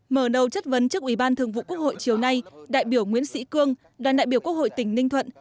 mở đầu chất vấn trước ủy ban thường vụ quốc hội chiều nay đại biểu nguyễn sĩ cương đoàn đại biểu quốc hội tỉnh ninh thuận